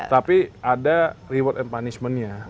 tapi ada reward and punishment nya